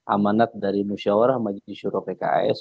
amanat dari nusyawarah majidishuro pks